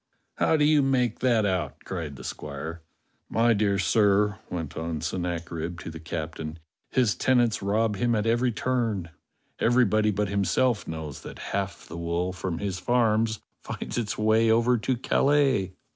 "How do you make that out?" cried the squire. "My dear sir," went on Sennacherib to the captain, "his tenants rob him at every turn. Everybody but himself knows that half the wool from his farms finds its way over to Calais."